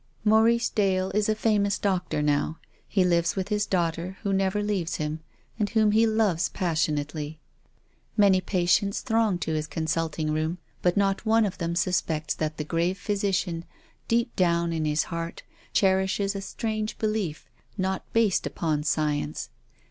Maurice Dale is a famous doctor now. He lives witli his daughter, who n< \<r leaves him and whom he loves passionately. Many patients 266 TONGUES OF CONSCIENCE. throng to his consulting room, but not one of them suspects that the grave physician, deep down in his heart, cherishes a strange belief — not based upon science.